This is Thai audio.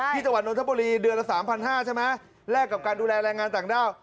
จังหวัดนทบุรีเดือนละ๓๕๐๐ใช่ไหมแลกกับการดูแลแรงงานต่างด้าว